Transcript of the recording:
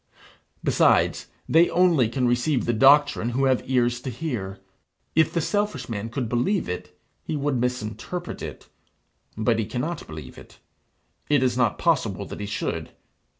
Besides, they only can receive the doctrine who have ears to hear. If the selfish man could believe it, he would misinterpret it; but he cannot believe it. It is not possible that he should.